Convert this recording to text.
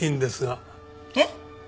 えっ？